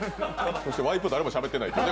そしてワイプ、誰もしゃべってないという。